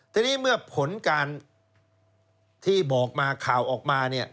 ทีนี้เมื่อผลการที่บอกมาข่าวออกมาเนี่ย